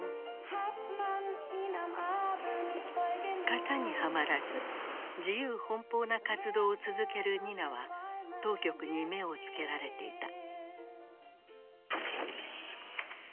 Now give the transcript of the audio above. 型にはまらず自由奔放な活動を続けるニナは当局に目を付けられていた。